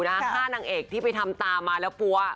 ถ้านางเอกที่ไปทำตามมาแล้วปั๊ว